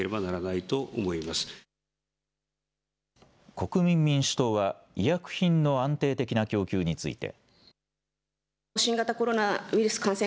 国民民主党は医薬品の安定的な供給について。